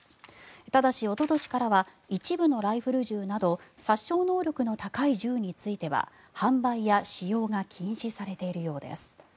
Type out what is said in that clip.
ただし、おととしからは一部のライフル銃など殺傷能力の高い銃については販売や使用が禁止されているようです。